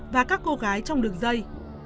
và các cô gái trong đường dây